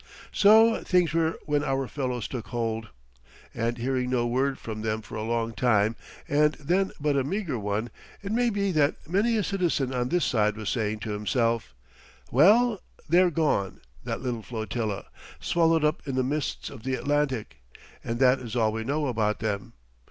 So things were when our fellows took hold, and hearing no word from them for a long time and then but a meagre one, it may be that many a citizen on this side was saying to himself: "Well, they're gone, that little flotilla, swallowed up in the mists of the Atlantic, and that is all we know about them.